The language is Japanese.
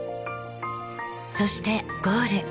そしてゴール。